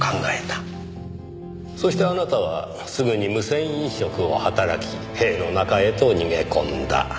そしてあなたはすぐに無銭飲食を働き塀の中へと逃げ込んだ。